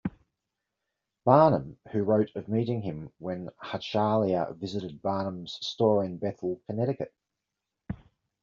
Barnum, who wrote of meeting him when Hachaliah visited Barnum's store in Bethel, Connecticut.